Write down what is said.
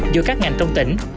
do các ngành trong tỉnh